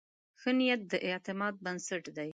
ښه نیت د اعتماد بنسټ دی.